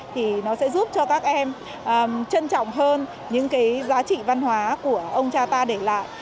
thì nó sẽ giúp cho các em trân trọng hơn những cái giá trị văn hóa của ông cha ta để lại